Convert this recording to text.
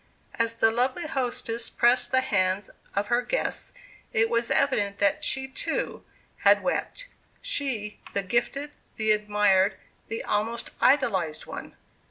As the lovely hostess pressed the hands of her guests, it was evident that she, too, had wept, she, the gifted, the admired, the almost idolized one.